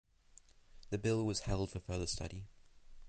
The bill was held for further study.